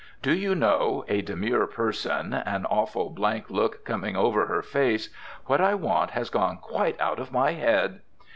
"Do you know," a demure person, an awful blank look coming over her face, "what I want has gone quite out of my head."